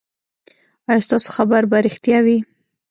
ایا ستاسو خبر به ریښتیا وي؟